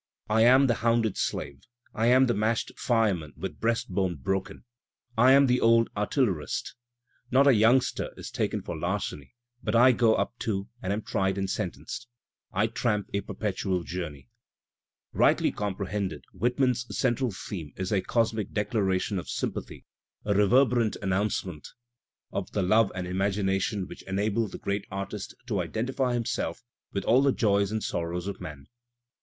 "I am the hounded slave." "I am the mashed fireman with breast bone broken." "I am the old artil lerist." "Not a yoimgster is taken for larceny but I go up too, and am tried and sentenced." "I tramp a perpetual journey." Rightly comprehended, Whitman's central theme is a cos mic declaration of sympathy, a reverberant announcement Digitized by Google 220 THE SPIRIT OP AMERICAN LITERATURE of the love and imagination which enable the great artist to identify himself with all the joys and sorrows of man.